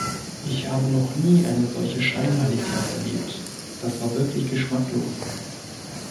Ich habe noch nie eine solche Scheinheiligkeit erlebt, das war wirklich geschmacklos.